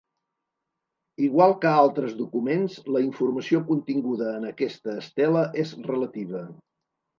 Igual que altres documents, la informació continguda en aquesta estela és relativa.